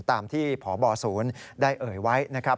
ตามที่พบศูนย์ได้เอ่ยไว้นะครับ